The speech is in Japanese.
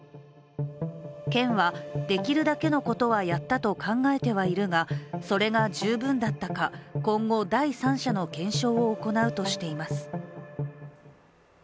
県は、できるだけのことはやったと考えてはいるがそれが十分だったか、今後第三者の検証を行うとしています。